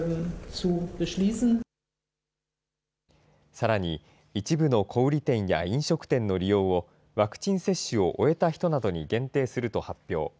さらに、一部の小売り店や飲食店の利用を、ワクチン接種を終えた人などに限定すると発表。